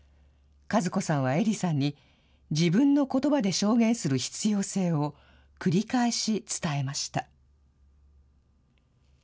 和子さんはえりさんに自分のことばで証言する必要性を、繰り返し伝えました。